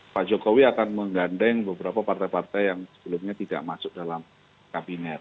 pak jokowi akan menggandeng beberapa partai partai yang sebelumnya tidak masuk dalam kabinet